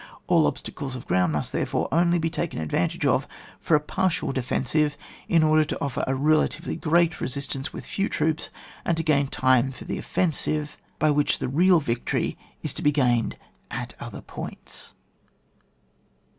All obstacles of ground must therefore only be taken advantage of for a partial defensive, in order to offer a relatively great resistance with few troops, and to gain time for the offensive, by which the real victory is to be gained at other points.